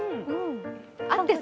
合ってる。